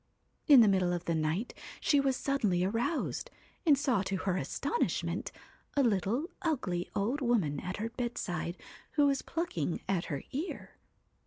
In 221 THE the middle of the night she was suddenly aroused, WHITE and saw to her astonishment a little, ugly, old CAT woman at her bedside, who was plucking at her ear.